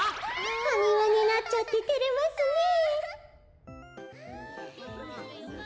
ハニワになっちゃっててれますねえ。